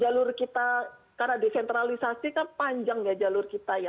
jalur kita karena desentralisasi kan panjang ya jalur kita ya